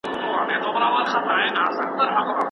بهرنۍ پالیسي د ناڅاپي پريکړو پر بنسټ نه وي.